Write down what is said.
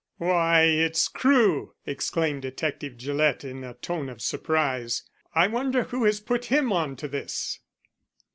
"Why, it's Crewe!" exclaimed Detective Gillett, in a tone of surprise. "I wonder who has put him on to this?"